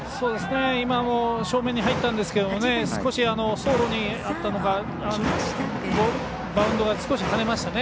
今も正面に入ったんですけど少し走路にあったのかバウンドが少し跳ねましたね。